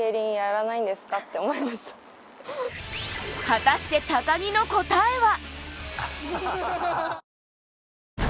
果たして木の答えは？